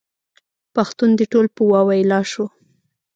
پښتون دې ټول په واویلا شو.